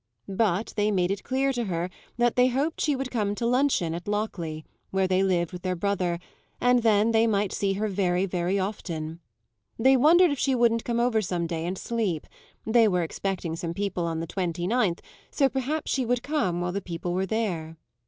But they made it clear to her that they hoped she would come to luncheon at Lockleigh, where they lived with their brother, and then they might see her very, very often. They wondered if she wouldn't come over some day, and sleep: they were expecting some people on the twenty ninth, so perhaps she would come while the people were there.